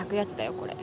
これ。